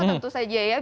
tentu saja ya